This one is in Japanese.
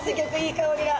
い香りが。